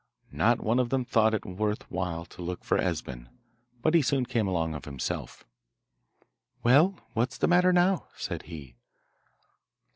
Not one of them thought it worth while to look for Esben, but he soon came along of himself. 'Well, what's the matter now?' said he.